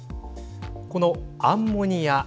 このアンモニア。